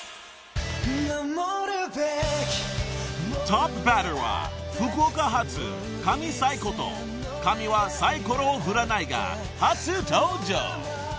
［トップバッターは福岡発神サイこと神はサイコロを振らないが初登場］